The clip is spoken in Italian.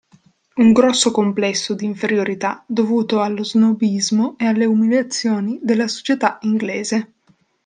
Un grosso complesso di inferiorità dovuto allo snobismo e alle umiliazioni della società inglese.